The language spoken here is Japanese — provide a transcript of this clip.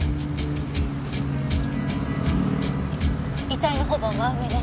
遺体のほぼ真上ね。